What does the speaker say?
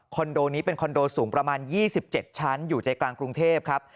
โดนี้เป็นคอนโดสูงประมาณ๒๗ชั้นอยู่ใจกลางกรุงเทพครับ